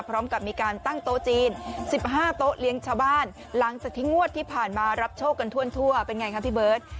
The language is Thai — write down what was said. พร้อมกับมีการตั้งโต๊ะจีน๑๕โต๊ะเลี้ยงชาวบ้านหลังจากที่งวดที่ผ่านมารับโชคกันทั่วเป็นไงคะพี่เบิร์ต